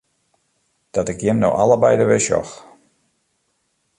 Dat ik jim no allebeide wer sjoch!